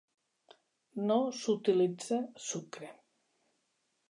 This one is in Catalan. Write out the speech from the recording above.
No s'utilitza sucre.